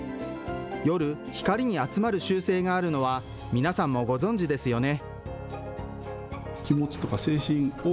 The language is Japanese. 夜、光に集まる習性があるのは皆さんもご存じですよね。